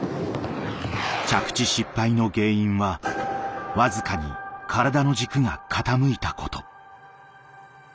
着地失敗の原因は僅かに体の軸が傾いたこと。